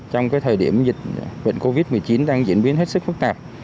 trong thời điểm dịch bệnh covid một mươi chín đang diễn biến hết sức phức tạp